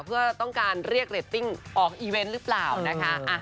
เพื่อต้องการเรียกเรตติ้งออกอีเวนต์หรือเปล่านะคะ